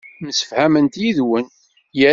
Msefhament yid-wen.